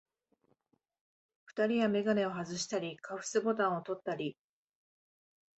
二人はめがねをはずしたり、カフスボタンをとったり、